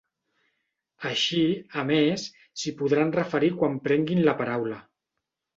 Així, a més, s'hi podran referir quan prenguin la paraula.